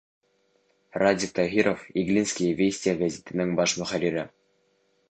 Радик Таһиров, «Иглинские вести» гәзитенең баш мөхәррире: